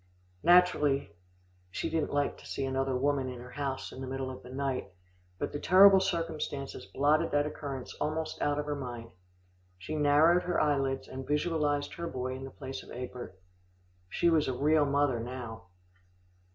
Naturally she didn't like to see another woman in her house in the middle of the night, but the terrible circumstances blotted that occurrence almost out of her mind. She narrowed her eyelids, and visualised her boy in the place of Egbert. She was a real mother now.